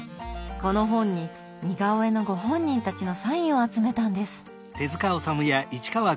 この本に似顔絵のご本人たちのサインを集めたんです。